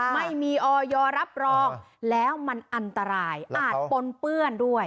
ไม่มีออยรับรองแล้วมันอันตรายอาจปนเปื้อนด้วย